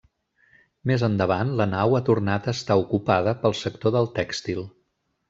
Més endavant la nau ha tornat a estar ocupada pel sector del tèxtil.